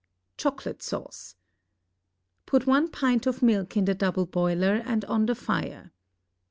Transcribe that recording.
CHOCOLATE SAUCE Put one pint of milk in the double boiler, and on the fire.